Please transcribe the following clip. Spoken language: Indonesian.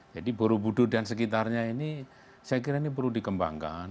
jadi buru budur dan sekitarnya ini saya kira ini perlu dikembangkan